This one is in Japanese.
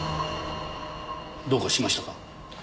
どうかしましたか？